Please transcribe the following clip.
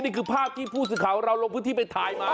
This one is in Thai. นี่คือภาพที่ผู้สื่อข่าวของเราลงพื้นที่ไปถ่ายมา